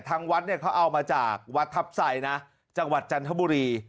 ทางวัดเนี่ยเขาเอามาจากวัดทัพไซนะจังหวัดจันทบุรี